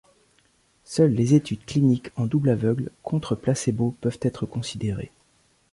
Seules les études cliniques en double aveugle contre placebo peuvent être considérées.